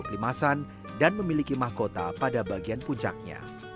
untuk limasan dan memiliki mahkota pada bagian puncaknya